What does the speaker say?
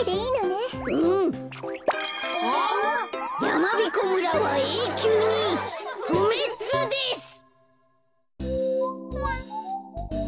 やまびこ村はえいきゅうにふめつです。